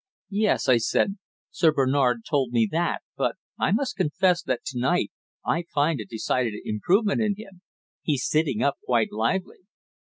"Yes," I said, "Sir Bernard told me that, but I must confess that to night I find a decided improvement in him. He's sitting up quite lively."